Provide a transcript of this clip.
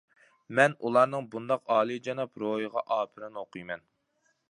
مەن ئۇلارنىڭ بۇنداق ئالىيجاناب روھىغا ئاپىرىن ئوقۇيمەن.